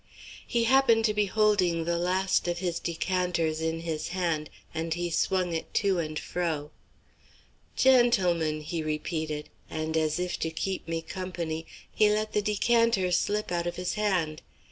He happened to be holding the last of his decanters in his hand, and he swung it to and fro. "Gentlemen," he repeated, and as if to keep me company, he let the decanter slip out of his hand.